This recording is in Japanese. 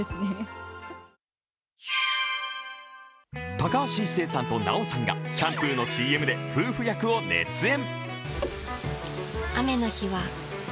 高橋一生さんと奈緒さんがシャンプーのＣＭで夫婦役を熱演。